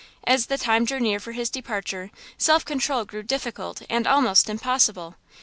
As the time drew near for his departure self control grew difficult and almost impossible.